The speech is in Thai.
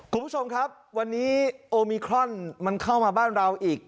คุณผู้ชมครับวันนี้โอมิครอนมันเข้ามาบ้านเราอีก